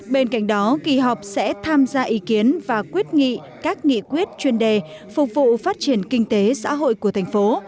bên cạnh đó kỳ họp sẽ tham gia ý kiến và quyết nghị các nghị quyết chuyên đề phục vụ phát triển kinh tế xã hội của thành phố